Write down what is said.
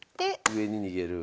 上に逃げる。